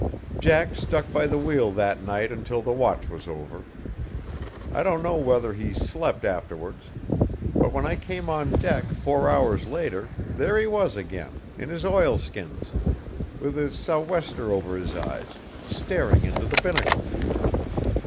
Jack stuck by the wheel that night until the watch was over. I don't know whether he slept afterwards, but when I came on deck four hours later, there he was again, in his oilskins, with his sou'wester over his eyes, staring into the binnacle.